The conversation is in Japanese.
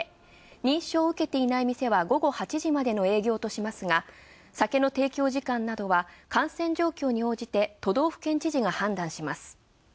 認証を受けていない店は午後８時までの営業としますが、酒の提供時間などは感染状況に応じて都道府県知事が判断します。